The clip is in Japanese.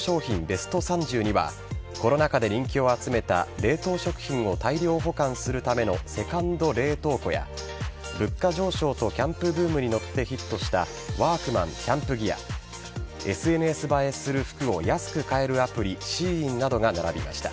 ベスト３０にはコロナ禍で人気を集めた冷凍食品を大量保管するためのセカンド冷凍庫や物価上昇とキャンプブームに乗ってヒットしたワークマンキャンプギアＳＮＳ映えする服を安く買えるアプリＳＨＥＩＮなどが並びました。